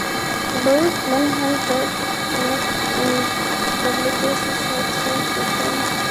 Both manhunt dot net and the legacy site serve Japan.